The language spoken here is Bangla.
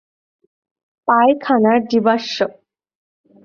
পায়খানার জীবাশ্ম।